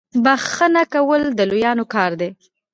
بخښنه کول د لویانو کار دی.